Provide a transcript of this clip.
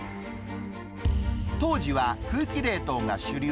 当時は空気冷凍が主流。